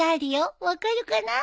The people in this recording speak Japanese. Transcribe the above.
分かるかな？